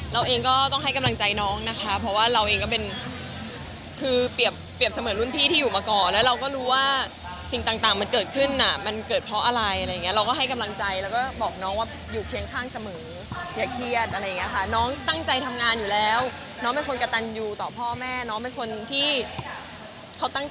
เราเองก็ต้องให้กำลังใจน้องนะคะเพราะว่าเราเองก็เป็นคือเปรียบเสมือนรุ่นพี่ที่อยู่มาก่อนแล้วเราก็รู้ว่าสิ่งต่างมันเกิดขึ้นอ่ะมันเกิดเพราะอะไรอะไรอย่างเงี้เราก็ให้กำลังใจแล้วก็บอกน้องว่าอยู่เคียงข้างเสมออย่าเครียดอะไรอย่างเงี้ยค่ะน้องตั้งใจทำงานอยู่แล้วน้องเป็นคนกระตันยูต่อพ่อแม่น้องเป็นคนที่เขาตั้งก